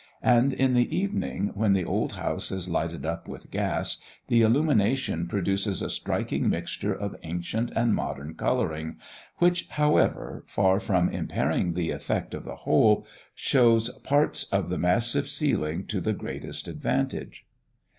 And in the evening, when the old house is lighted up with gas, the illumination produces a striking mixture of ancient and modern colouring, which, however, far from impairing the effect of the whole, shows parts of the massive ceiling to the greatest advantage.